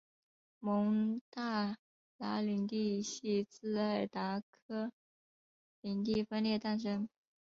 蒙大拿领地系自爱达荷领地分裂诞生。